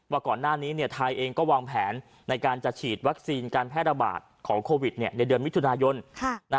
ว่าก่อนหน้านี้ไทยเองก็วางแผนในการจะฉีดวัคซีนการแพร่ระบาดของโควิดในเดือนมิถุนายน